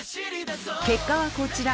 結果はこちら。